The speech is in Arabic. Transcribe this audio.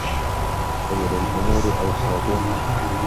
خَيْرُ الْأُمُورِ أَوْسَاطُهَا